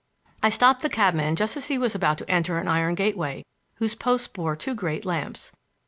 I stopped the cabman just as he was about to enter an iron gateway whose posts bore two great lamps.